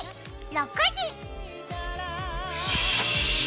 ６時！